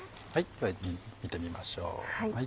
では見てみましょう。